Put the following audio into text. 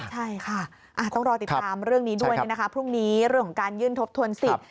ใช่ค่ะต้องรอติดตามเรื่องนี้ด้วยนะคะพรุ่งนี้เรื่องของการยื่นทบทวนสิทธิ